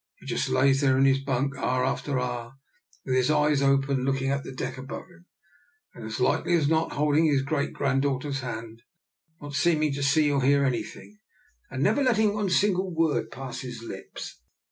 He just lays there in his bunk, hour after hour, with his eyes open, looking at the deck above him, and as likely as not holding his great granddaughter's hand, not seeming to see or hear anything, and never letting one single word pass his lips.